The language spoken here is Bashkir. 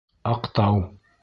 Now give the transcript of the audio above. Аҡтау!..